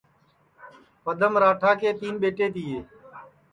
پدم راٹا کے تین ٻیٹے تیے